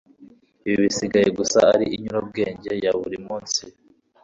Ibi bisigaye gusa ari inyurabwenge ya buri munsi